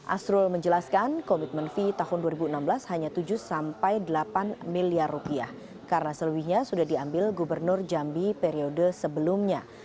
asrul menjelaskan komitmen fee tahun dua ribu enam belas hanya tujuh sampai delapan miliar rupiah karena selebihnya sudah diambil gubernur jambi periode sebelumnya